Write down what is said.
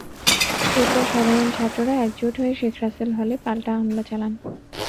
এরপর সাধারণ ছাত্ররা একজোট হয়ে শেখ রাসেল হলে পাল্টা হামলা চালান।